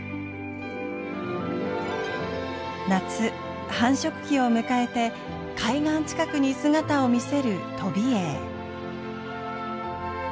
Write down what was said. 夏繁殖期を迎えて海岸近くに姿を見せるトビエイ。